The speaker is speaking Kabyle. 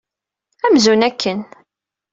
Amzun akken!